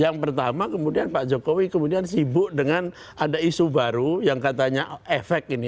yang pertama kemudian pak jokowi kemudian sibuk dengan ada isu baru yang katanya efek ini